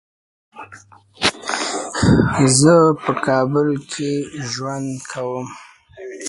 This work was highlighted in "Science Translational Medicine".